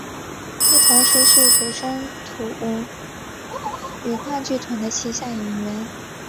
亦同时是土生土语话剧团的旗下演员。